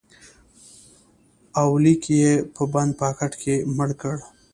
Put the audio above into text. اولیک یې په بند پاکټ کې مړ کړ